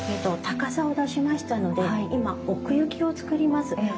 高さを出しましたので今奥行きを作ります。